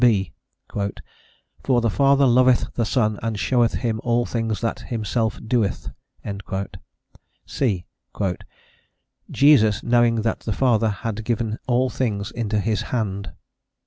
(b) "For the Father loveth the Son and showeth him all things that Himself doeth." (c) "Jesus, knowing that the Father had given all things into his hand."